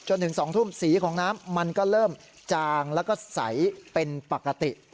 จนถึง๒ทุ่มสีของน้ำมันก็เริ่มจางแล้วก็ใสเป็นปกติ